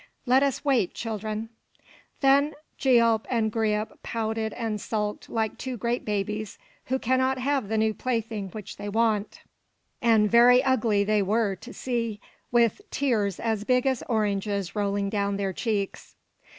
Let us wait, children." Then Gialp and Greip pouted and sulked like two great babies who cannot have the new plaything which they want; and very ugly they were to see, with tears as big as oranges rolling down their cheeks.